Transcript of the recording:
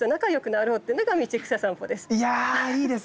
いやいいです